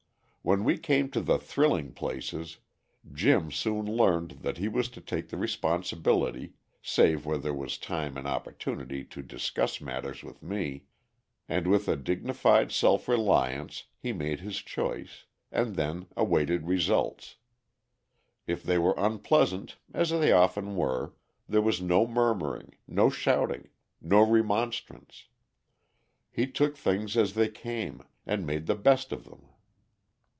When we came to the thrilling places, Jim soon learned that he was to take the responsibility, save where there was time and opportunity to discuss matters with me, and with a dignified self reliance he made his choice, and then awaited results. If they were unpleasant, as they often were, there was no murmuring, no shouting, no remonstrance. He took things as they came, and made the best of them.